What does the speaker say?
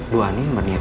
bu ani berniat